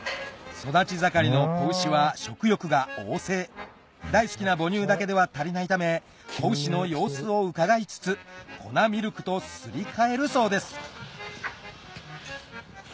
育ち盛りの子牛は食欲が旺盛大好きな母乳だけでは足りないため子牛の様子をうかがいつつ粉ミルクとすり替えるそうです